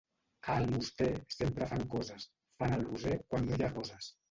A Almoster sempre fan coses: fan el roser quan no hi ha roses.